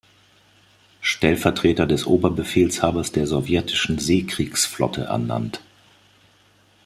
Stellvertreter des Oberbefehlshabers der sowjetischen Seekriegsflotte ernannt.